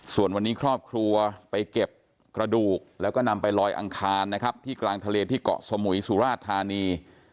ส่วนวันนี้ครอบครัวไปเก็บกระดูกแล้วก็นำไปลอยอังคารนะครับที่กลางทะเลที่เกาะสมุยสุราชธานี